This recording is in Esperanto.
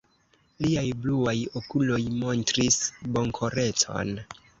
Liaj bluaj okuloj montris bonkorecon.